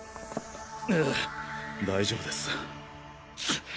ええ大丈夫です。